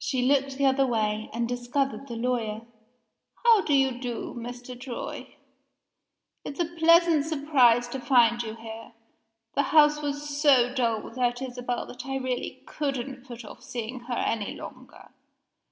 She looked the other way, and discovered the lawyer. "How do you do, Mr. Troy? It's a pleasant surprise to find you here The house was so dull without Isabel that I really couldn't put off seeing her any longer.